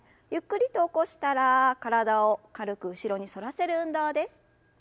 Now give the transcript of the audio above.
ゆっくりと起こしたら体を軽く後ろに反らせる運動です。